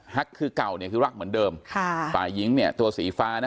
คือเก่าเนี่ยคือรักเหมือนเดิมค่ะฝ่ายหญิงเนี่ยตัวสีฟ้านะ